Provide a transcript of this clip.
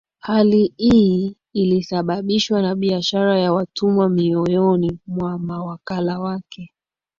Hali iyi ilisababishwa na biashara ya watumwa mioyoni mwa mawakala wake